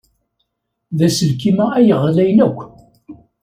D aselkim-a ay ɣlayen akk.